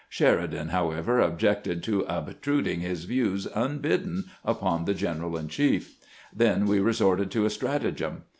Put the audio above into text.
Sheridan, however, objected to obtruding his views unbidden upon the general in chief . Then we re sorted to a stratagem.